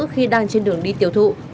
khi đang trên đường đi tiêu thụ